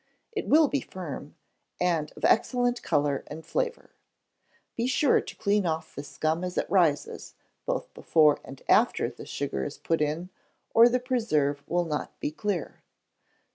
It will be firm, and of excellent colour and flavour. Be sure to clean off the scum as it rises, both before and after the sugar is put in, or the preserve will not be clear.